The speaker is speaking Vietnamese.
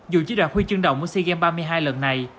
dù chỉ đoạt huy chương động ở sea games ba mươi hai lần này